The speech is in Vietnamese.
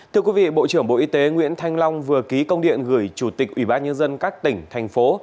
thưa quý vị bộ trưởng bộ y tế nguyễn thanh long vừa ký công điện gửi chủ tịch ủy ban nhân dân các tỉnh thành phố